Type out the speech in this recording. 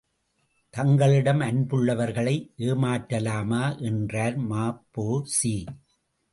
தங்களிடம் அன்புள்ளவர்களை ஏமாற்றலாமா? என்றார் ம.பொ.சி.